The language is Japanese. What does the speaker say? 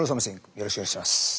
よろしくお願いします。